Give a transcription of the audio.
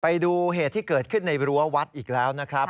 ไปดูเหตุที่เกิดขึ้นในรั้ววัดอีกแล้วนะครับ